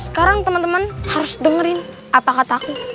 sekarang teman teman harus dengerin apa kata aku